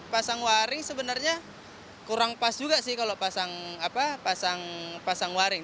pasang waring sebenarnya kurang pas juga sih kalau pasang waring